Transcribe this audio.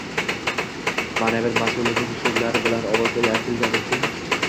Ma’naviyat mas’ulining so‘zlari baland ovozda aytilgani uchun